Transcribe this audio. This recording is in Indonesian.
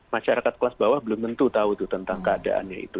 masyarakat kelas bawah belum tentu tahu tentang keadaannya itu